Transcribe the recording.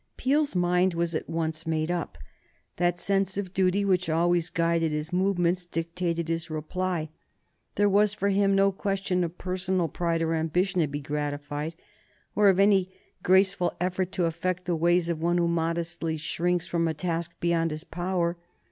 Peel's mind was at once made up. That sense of duty which always guided his movements dictated his reply. There was for him no question of personal pride or ambition to be gratified, or of any graceful effort to affect the ways of one who modestly shrinks from a task beyond his power.